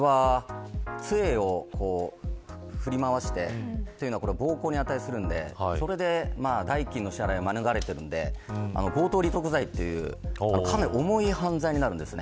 杖を振り回してというのは暴行に値するのでそれで代金の支払いを免れているので強盗利得罪というかなり重い犯罪になります。